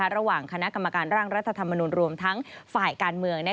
ระหว่างคณะกรรมการร่างรัฐธรรมนุนรวมทั้งฝ่ายการเมือง